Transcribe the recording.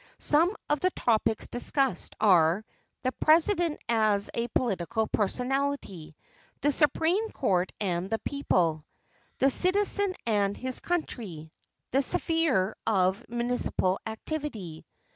Some of the topics discussed are: "The President as a Political Personality," "The Supreme Court and the People," "The Citizen and His Country," "The Sphere of Municipal Activity."